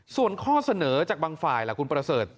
ส่วนข้อเสนอจากบางฝ่ายล่ะคุณประเสริฐ